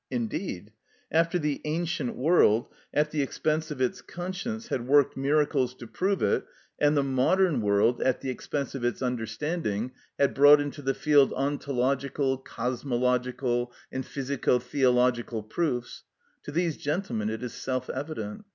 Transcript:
Indeed! After the ancient world, at the expense of its conscience, had worked miracles to prove it, and the modern world, at the expense of its understanding, had brought into the field ontological, cosmological, and physico theological proofs—to these gentlemen it is self evident.